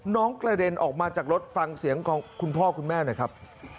กระเด็นออกมาจากรถฟังเสียงของคุณพ่อคุณแม่หน่อยครับ